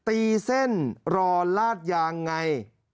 ตีเส้นรอลาดยางไง